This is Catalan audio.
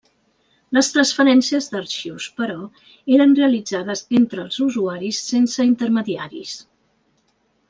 Les transferències d'arxius, però, eren realitzades entre els usuaris sense intermediaris.